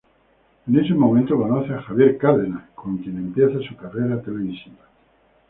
En ese momento conoce a Javier Cárdenas, con quien empieza su carrera televisiva.